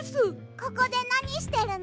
ここでなにしてるの？